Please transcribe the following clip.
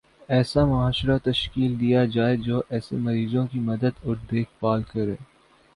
ایسا معاشرہ تشکیل دیا جائےجو ایسے مریضوں کی مدد اور دیکھ بھال کرے